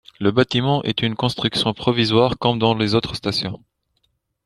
Le bâtiment est une construction provisoire comme dans les autres stations.